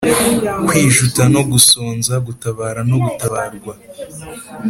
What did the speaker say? kwijuta no gusonza, gutabara no gutabarwa